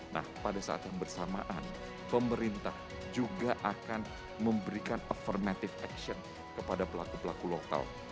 nah pada saat yang bersamaan pemerintah juga akan memberikan affirmative action kepada pelaku pelaku lokal